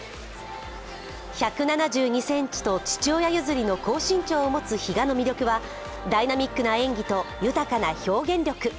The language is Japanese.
１７２ｃｍと父親譲りの高身長を持つ比嘉の魅力はダイナミックな演技と豊かな表現力。